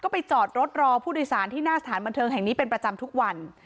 ไปจอดรถรอผู้โดยสารที่หน้าสถานบันเทิงแห่งนี้เป็นประจำทุกวัน